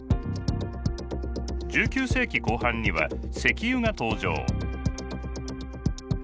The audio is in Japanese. １９世紀後半には石油が登場。